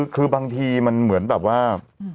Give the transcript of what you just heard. คือบางทีมันเหมือนแบบว่า